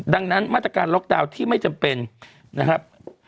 ดังนั้นมาตรการล็อกดาวน์ที่ไม่จำเป็นนะครับ